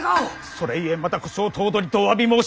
それゆえまた小姓頭取とおわび申し上げたが。